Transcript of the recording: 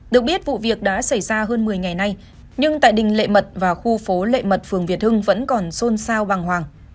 được biết vụ việc đã xảy ra hơn một mươi ngày nay nhưng tại đình lệ mật và khu phố lệ mật phường việt hưng vẫn còn xôn xao bàng hoàng